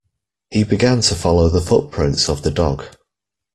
He began to follow the footprints of the dog.